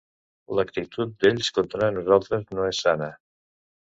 L'actitud d'ells contra nosaltres no és sana.